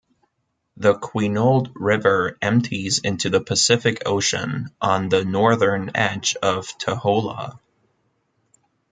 The Quinault River empties into the Pacific Ocean on the northern edge of Taholah.